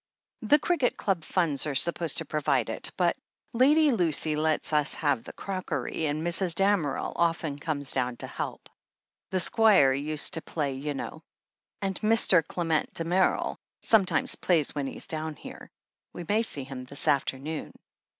"The Cricket Club funds are sup|x>sed to provide it, but Lady Lucy lets us have the crockery and Mrs. Damerel often comes down to help. The Squire used to play, you know. And Mr. Clement Damerel some times plays when he's down here. We may see him this afternoon."